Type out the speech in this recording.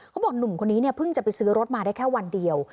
หนุ่มคนนี้เนี่ยเพิ่งจะไปซื้อรถมาได้แค่วันเดียว